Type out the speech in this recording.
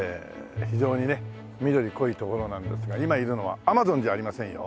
非常にね緑濃い所なんですが今いるのはアマゾンじゃありませんよ。